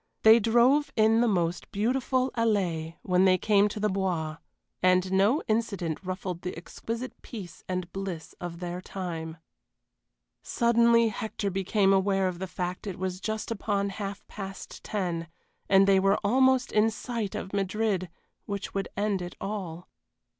They drove in the most beautiful allée when they came to the Bois and no incident ruffled the exquisite peace and bliss of their time. Suddenly Hector became aware of the fact it was just upon half past ten, and they were almost in sight of Madrid, which would end it all.